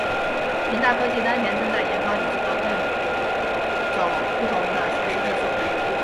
平达科技当前正在研发与制造更种不同的显示技术。